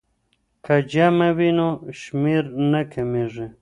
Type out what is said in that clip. که جمع وي نو شمېر نه کمیږي.